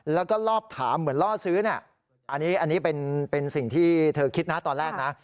แล้วก็ลอบถามเหมือนล่อซื้อเนี่ยอันนี้เป็นสิ่งที่เธอคิดนะตอนแรกนะ